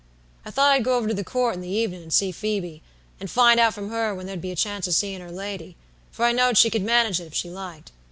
"I thought I'd go over to the Court in the evenin' and see Phoebe, and find out from her when there'd be a chance of seein' her lady, for I know'd she could manage it if she liked.